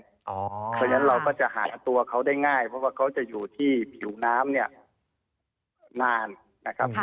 เพราะฉะนั้นเราก็จะหาตัวเขาได้ง่ายเพราะว่าเขาจะอยู่ที่ผิวน้ำเนี่ยนานนะครับ